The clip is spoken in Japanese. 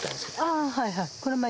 あはいはい。